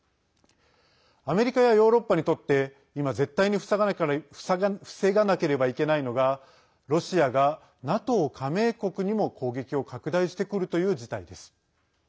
アメリカやヨーロッパにとって今、絶対に防がなければいけないのがロシアがＮＡＴＯ加盟国にも攻撃を拡大してくるという事態です。